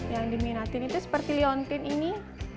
yang diminati seperti leontin ini